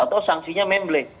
atau sanksinya memble